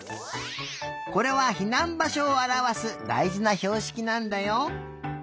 これはひなんばしょをあらわすだいじなひょうしきなんだよ。